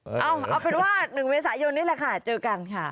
เอ้าเอาเป็นว่าหนึ่งเวษายนนี่แหละค่ะเจอกันค่ะ